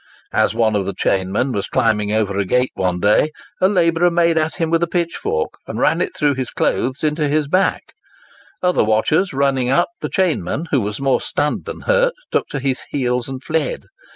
As one of the chainmen was climbing over a gate one day, a labourer made at him with a pitchfork, and ran it through his clothes into his back; other watchers running up, the chainman, who was more stunned than hurt, took to his heels and fled.